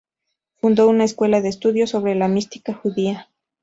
Fundó una escuela de estudios sobre la mística judía.